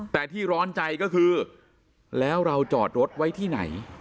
แต่ที่ร้อนใจก็คือแล้วเราจอดรถไว้ที่ไหน